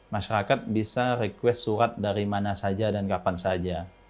masyarakat bisa request surat dari mana saja dan kapan saja